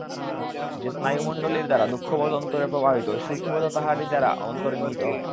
যে স্নায়ুমণ্ডলীর দ্বারা দুঃখবোধ অন্তরে প্রবাহিত হয়, সুখবোধও তাহারই দ্বারা অন্তরে নীত হয়।